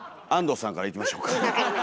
安藤さんからいきましょうか。